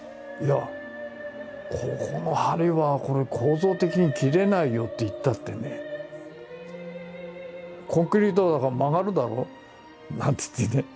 いやここの梁はこれ構造的に切れないよって言ったってねコンクリートだから曲がるだろなんつってね。